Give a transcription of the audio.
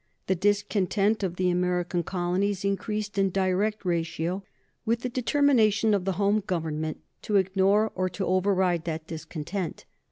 The discontent of the American colonies increased in direct ratio with the determination of the home Government to ignore or to override that discontent.